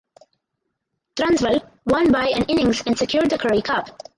Transvaal won by an innings and secured the Currie Cup.